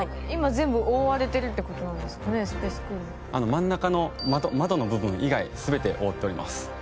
真ん中の窓の部分以外全て覆っております。